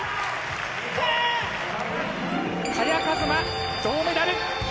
萱和磨銅メダル！